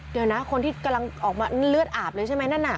เดี๋ยวนะคนที่กำลังออกมาเลือดอาบเลยใช่ไหมนั่นน่ะ